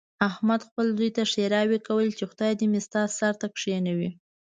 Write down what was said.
احمد خپل زوی ته ښېراوې کولې، چې خدای مې دې ستا سر ته کېنوي.